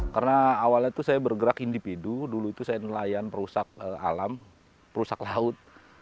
karena awalnya itu saya bergerak individu dulu itu saya nelayan perusak alam perusak laut